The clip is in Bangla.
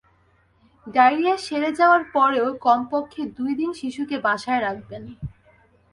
ডায়রিয়া সেরে যাওয়ার পরেও কমপক্ষে দুই দিন শিশুকে বাসায় রাখবেন।